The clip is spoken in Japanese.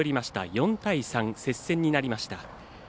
４対３、接戦になりました。